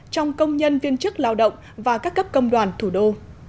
trong công nhân viên chức lao động và các cấp công đoàn thủ đô